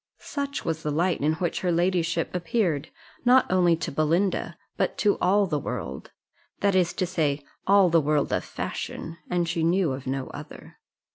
Such was the light in which her ladyship appeared, not only to Belinda, but to all the world that is to say, all the world of fashion, and she knew of no other.